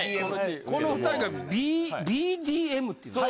この２人がＢＤＭっていうの？